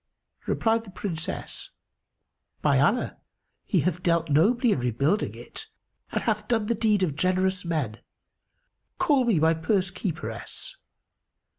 Replied the Princess, "By Allah, he hath dealt nobly in rebuilding it and hath done the deed of generous men! Call me my purse keeperess."